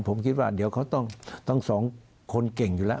ผมคิดว่าเดี๋ยวเขาต้องสองคนเก่งอยู่แล้ว